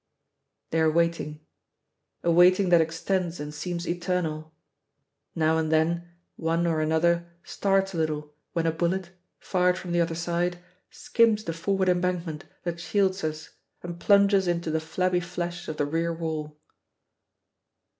They are waiting; a waiting that extends and seems eternal. Now and then one or another starts a little when a bullet, fired from the other side, skims the forward embankment that shields us and plunges into the flabby flesh of the rear wall.